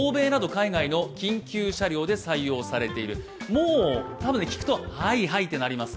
もう多分、聞くと、はいはいってなります。